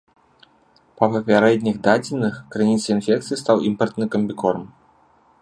Па папярэдніх дадзеных, крыніцай інфекцыі стаў імпартны камбікорм.